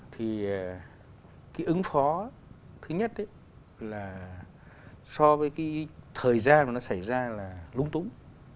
thì cái ứng phó thứ nhất là so với thời gian mà nó xảy ra là lung tung